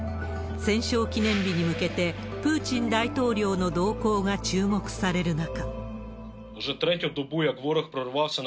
戦勝記念日に向けて、プーチン大統領の動向が注目される中。